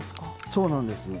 そうなんです。